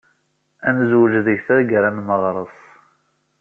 Ad nezwej deg tgara n Meɣres.